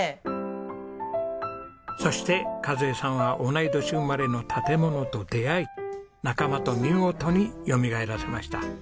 そして和枝さんは同い年生まれの建物と出会い仲間と見事によみがえらせました。